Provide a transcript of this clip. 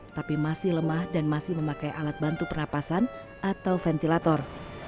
tapi masih lemah dan masih memakai alat bantu pernapasan atau ventilator